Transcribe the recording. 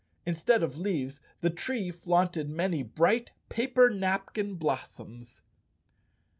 Instead of leaves, the tree flaunted many bright paper napkin blossoms.